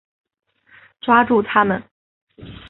抓住他们！